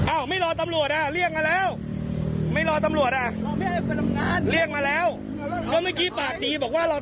อ้าวไม่รอตำลวจอ่ะเรียกมาแล้วไม่รอตำลวจอ่ะเรียกมาแล้ว